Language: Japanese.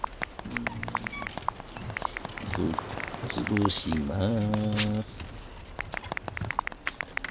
ぶっ潰します。